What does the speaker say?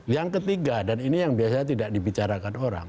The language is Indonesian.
yang ketiga dan ini yang biasanya tidak dibicarakan orang